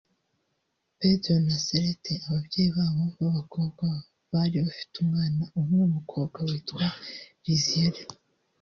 Pedro na Salete ababyeyi b’aba bakobwa bari bafite umwana umwe w’umukobwa witwa Liziele